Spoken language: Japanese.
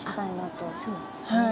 あっそうですね。